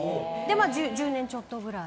１０年ちょっとくらい。